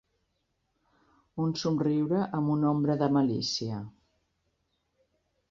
Un somriure amb una ombra de malícia.